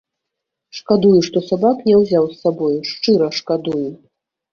Шкадую, што сабак не ўзяў з сабою, шчыра шкадую!